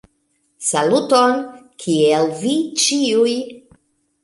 Saluton, Kiel vi ĉiuj?